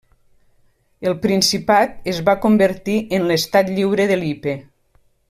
El Principat es va convertir en l'Estat Lliure de Lippe.